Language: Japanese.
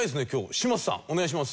嶋佐さんお願いします。